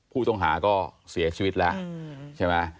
ผู้ท่องหาก็เสียชีวิตแล้ว